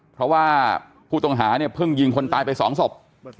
เพราะว่าผู้ต้องหาเนี่ยเพิ่งยิงคนตายไป๒ศพ